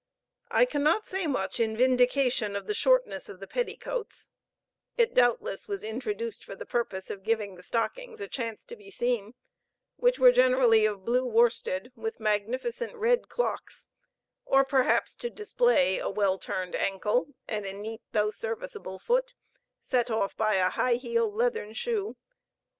I cannot say much in vindication of the shortness of the petticoats; it doubtless was introduced for the purpose of giving the stockings a chance to be seen, which were generally of blue worsted, with magnificent red clocks; or perhaps to display a well turned ankle, and a neat though serviceable foot, set off by a high heeled leathern shoe, with a large and splendid silver buckle.